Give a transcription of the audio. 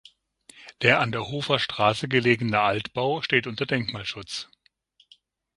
Der an der Hofer Straße gelegene Altbau steht unter Denkmalschutz.